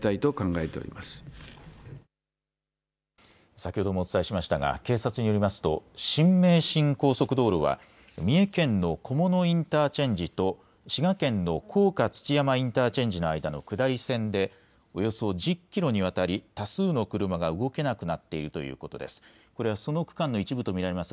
先ほどもお伝えしましたが警察によりますと新名神高速道路は三重県の菰野インターチェンジと滋賀県の甲賀土山インターチェンジの間の下り線でおよそ１０キロにわたり多数の車が動けなくなっているということです。